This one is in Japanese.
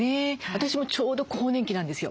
私もちょうど更年期なんですよ。